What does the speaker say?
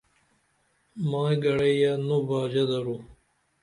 مائی گڑئی یہ نو باژہ درو